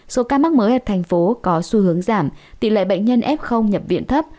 số ca mắc mới ở thành phố có xu hướng giảm tỷ lệ bệnh nhân f nhập viện thấp